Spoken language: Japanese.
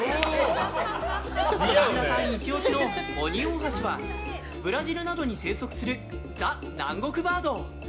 白輪さんイチ押しのオニオオハシはブラジルなどに生息するザ・南国バード。